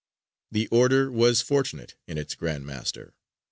The Order was fortunate in its Grand Master.